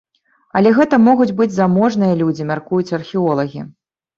Але гэта могуць быць заможныя людзі, мяркуюць археолагі.